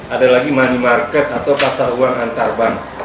ada lagi money market atau pasar uang antar bank